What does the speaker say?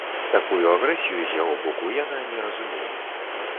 Такую агрэсію з яго боку яна не разумее.